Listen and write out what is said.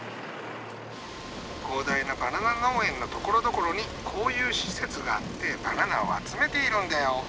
広大なバナナ農園のところどころにこういう施設があってバナナを集めているんだよ。